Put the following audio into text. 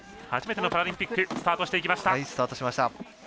初めてのパラリンピックスタートしていきました。